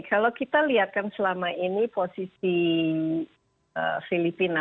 kalau kita lihatkan selama ini posisi filipina